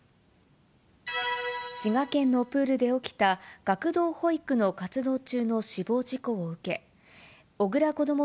滋賀県のプールで起きた、学童保育の活動中の死亡事故を受け、小倉こども